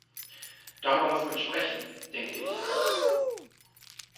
Darüber muss man sprechen, denke ich.